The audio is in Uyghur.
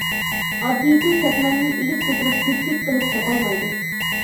ئاددىيسى، كەتمەننى ئېگىز كۆتۈرۈپ گۈپ-گۈپ قىلىپ چاپالمايدۇ.